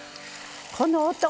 この音！